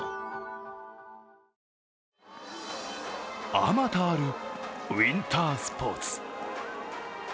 あまたあるウインタースポーツ。